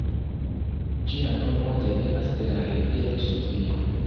Ĝia nomo devenas de la rivero Sofia.